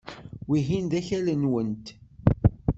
Wihin d akal-nwent.